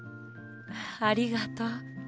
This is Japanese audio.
ありがとう。